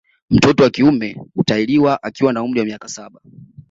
Mtoto wa kiume hutahiriwa akiwa na umri wa miaka saba